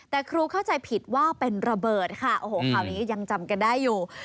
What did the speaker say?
แต่ครูเข้าใจผิดว่าเป็นระเบิดค่ะโอ้โหคราวนี้ยังจำกันได้อยู่